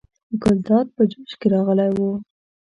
ګلداد په جوش کې راغلی و.